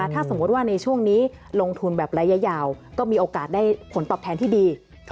ถ้าสมมุติว่าในช่วงนี้ลงทุนแบบระยะยาวก็มีโอกาสได้ผลตอบแทนที่ดี